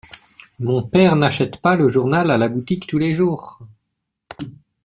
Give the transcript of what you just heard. Mon père n’achète pas le journal à la boutique tous les jours.